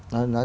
nó rất vô lý